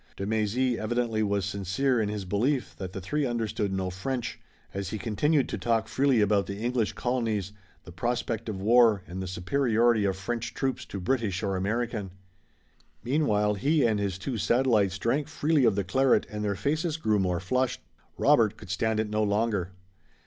De Mézy evidently was sincere in his belief that the three understood no French, as he continued to talk freely about the English colonies, the prospect of war, and the superiority of French troops to British or American. Meanwhile he and his two satellites drank freely of the claret and their faces grew more flushed. Robert could stand it no longer.